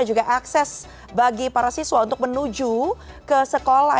dan juga akses bagi para siswa untuk menuju ke sekolah